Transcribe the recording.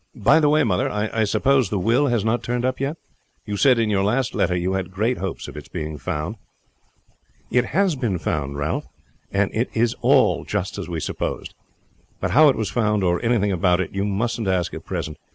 By the way, mother, I suppose the will has not turned up yet? You said in your last letter you had great hopes of its being found." "It has been found, Ralph; and it is all just as we supposed. But how it was found, or anything about it, you mustn't ask at present.